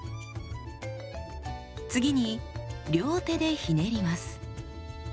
次に両手でひねります。